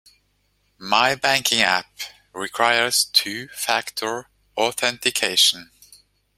My banking app requires two factor authentication.